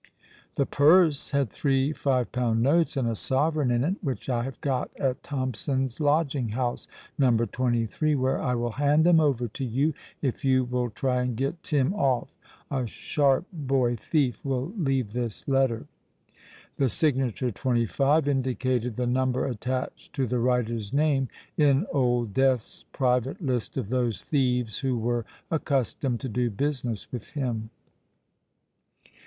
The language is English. The purse had three five pound notes and a sovereign in it, which I have got at Thompson's lodging house, No. 23, where I will hand them over to you if you will try and get Tim off. A sharp boy thief will leave this letter." The signature "TWENTY FIVE" indicated the number attached to the writer's name in Old Death's private list of those thieves who were accustomed to do business with him.